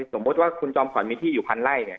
สมมุติว่าคุณจอมขวัญมีที่อยู่พันไล่เนี่ย